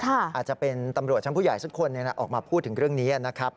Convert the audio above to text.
อาจจะเป็นตำรวจชั้นผู้ใหญ่สักคนออกมาพูดถึงเรื่องนี้นะครับ